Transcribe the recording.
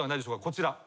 こちら。